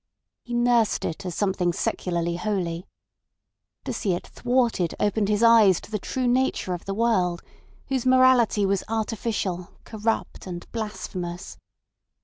He nursed it as something secularly holy. To see it thwarted opened his eyes to the true nature of the world, whose morality was artificial, corrupt, and blasphemous.